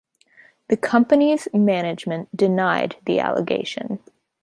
The company's management denied the allegation.